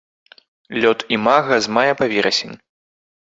Лёт імага з мая па верасень.